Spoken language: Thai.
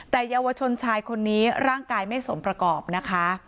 แต่เยาวชนชายคนนี้ร่างกายไม่สมประกอบนะคะ